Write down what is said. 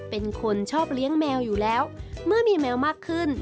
เป็นคนชอบเลี้ยงแมวอยู่แล้วเมื่อมีแมวมากขึ้น